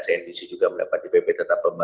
cnbc juga mendapat dpp tetap